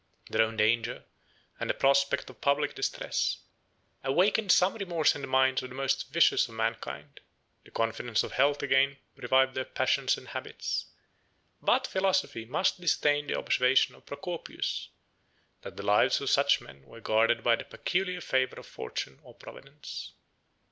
Their own danger, and the prospect of public distress, awakened some remorse in the minds of the most vicious of mankind: the confidence of health again revived their passions and habits; but philosophy must disdain the observation of Procopius, that the lives of such men were guarded by the peculiar favor of fortune or Providence.